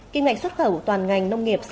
kinh ngạch xuất khẩu toàn ngành nông nghiệp